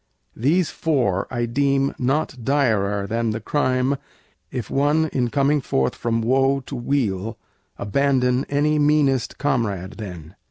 These four I deem not direr than the crime, If one, in coming forth from woe to weal, Abandon any meanest comrade then."